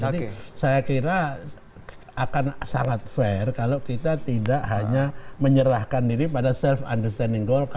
jadi saya kira akan sangat fair kalau kita tidak hanya menyerahkan diri pada self understanding golkar